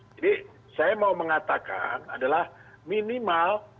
jadi saya mau mengatakan adalah minimal